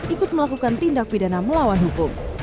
ikut melakukan tindak pidana melawan hukum